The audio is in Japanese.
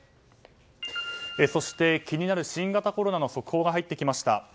そして、気になる新型コロナの速報が入ってきました。